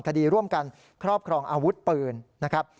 คดีร่วมกันครอบครองอาวุธปืนนะครับ